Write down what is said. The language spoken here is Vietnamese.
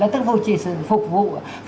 tức là phục vụ